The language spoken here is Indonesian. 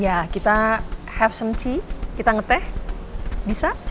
ya kita makan teh kita ngeteh bisa